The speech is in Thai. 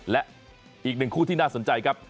และอีกหนึ่งคู่ที่น่าสนใจครับ